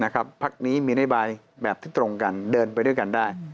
พักนี้มีนโยบายแบบที่ตรงกันเดินไปด้วยกันได้